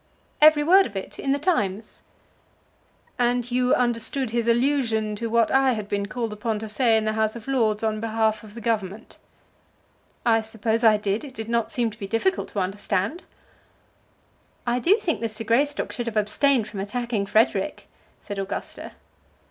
"Every word of it, in the Times." "And you understood his allusion to what I had been called upon to say in the House of Lords on behalf of the Government?" "I suppose I did. It did not seem to be difficult to understand." "I do think Mr. Greystock should have abstained from attacking Frederic," said Augusta.